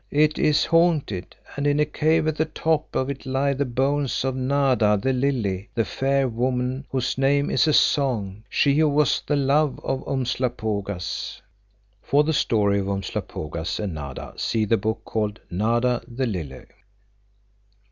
It is haunted and in a cave at the top of it lie the bones of Nada the Lily, the fair woman whose name is a song, she who was the love of Umslopogaas." For the story of Umslopogaas and Nada see the book called "Nada the Lily."